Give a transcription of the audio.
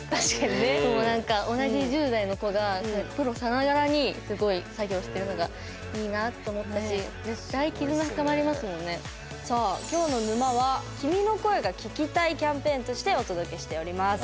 でも何か同じ１０代の子がプロさながらにすごい作業してるのがいいなと思ったしさあ今日の沼は「君の声が聴きたい」キャンペーンとしてお届けしております。